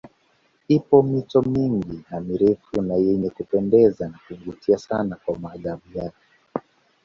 Ipo mito mingi na mirefu na yenye kupendeza na kuvutia sana kwa maajabu yake